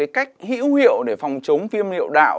cách hữu hiệu để phòng chống viêm liệu đạo